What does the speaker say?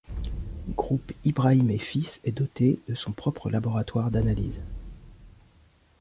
Groupe Ibrahim et fils est dotée de son propre laboratoire d'analyses.